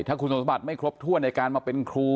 ถ้าคุณสมบัติไม่ครบถ้วนในการมาเป็นครู